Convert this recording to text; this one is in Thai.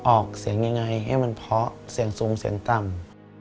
ออกเสียงยังไงให้มันเพาะเสียงสูงเสียงต่ำ